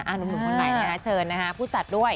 อ้าวหนุ่มคนไหนนะคะเชิญนะคะผู้จัดด้วย